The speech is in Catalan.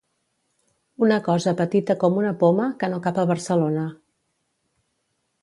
Una cosa petita com una poma, que no cap a Barcelona.